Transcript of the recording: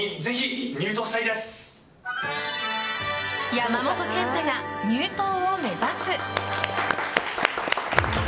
山本賢太が入党を目指す！